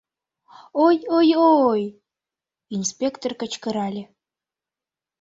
— Ой-ой-ой, — инспектор кычкырале.